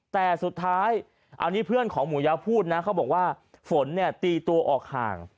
แต่สุดท้ายอันนี้เพื่อนของหมูยะพูดนะเขาบอกว่าฝนเนี่ยตีตัวออกห่าง